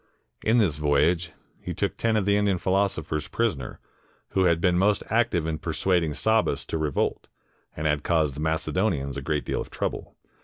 In this voyage, he took ten of the Indian philosophers prisoners, who had been most active in persuading Sabbas to revolt, and had caused the Macedonians a great deal of trouble.